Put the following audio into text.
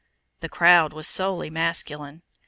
The crowd was solely masculine.